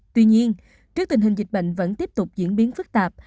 tuy nhiên trước tình hình dịch bệnh vẫn tiếp tục diễn biến phức tạp